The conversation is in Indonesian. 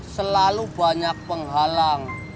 selalu banyak penghalang